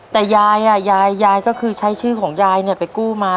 แต่ยายยายก็คือใช้ชื่อของยายเนี่ยไปกู้มา